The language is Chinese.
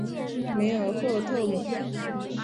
梅尔赫特姆。